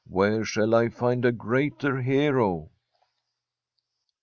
' Where shall I find a greater hero